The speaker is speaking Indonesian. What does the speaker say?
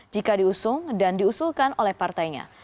jika diusung dan diusulkan oleh partainya